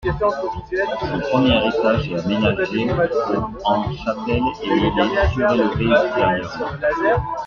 Son premier étage est aménagé au en chapelle et il est surélevé ultérieurement.